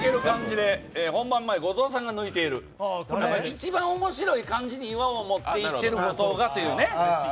一番面白い感じに岩尾を持っていってることが。